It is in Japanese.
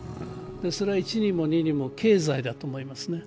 それは１にも２にも経済だと思いますね。